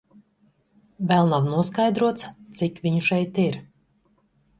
Vēl nav noskaidrots, cik viņu šeit ir.